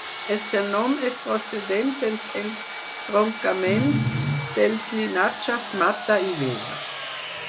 El seu nom és procedent dels entroncaments dels llinatges Mata i Vera.